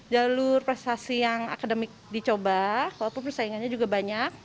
jalur prestasi yang akademik dicoba walaupun persaingannya juga banyak